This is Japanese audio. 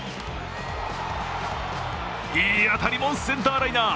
いい当たりもセンターライナー。